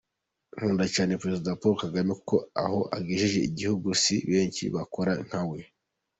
Nkunda cyane Perezida Paul Kagame, kuko aho agejeje igihugu si benshi bakora nka we.